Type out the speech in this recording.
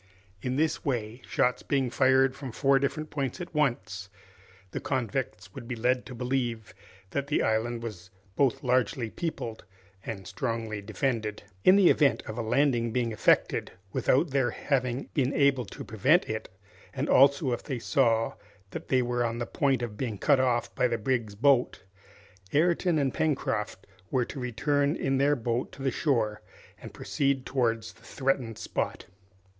In this way, shots being fired from four different points at once, the convicts would be led to believe that the island was both largely peopled and strongly defended. In the event of a landing being effected without their having been able to prevent it, and also if they saw that they were on the point of being cut off by the brig's boat, Ayrton and Pencroft were to return in their boat to the shore and proceed towards the threatened spot.